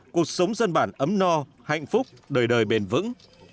cuộc sống dân bản ấm no hạnh phúc đời đời bền vững